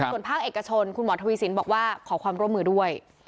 ส่วนภาคเอกชนคุณหมอทวีสินบอกว่าขอความร่วมมือด้วย